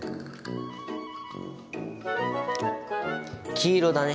黄色だね。